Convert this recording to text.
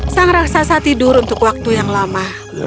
sang raksasa tidur untuk waktu yang lama